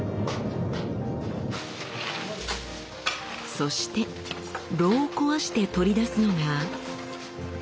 そして炉を壊して取り出すのが。